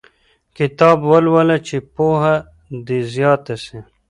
کتاب ولوله چي پوهه دې زیاته سي.